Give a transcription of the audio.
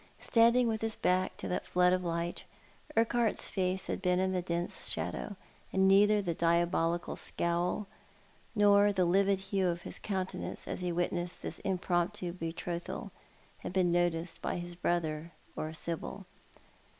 Standing with his back to that flood of light, Urquhart's face had been iu dense shadow, and neither the diabolical scowl nor the livid hue of his countenance as he witnessed this impromptu betrothal had been noticed by his brother or Sibyl.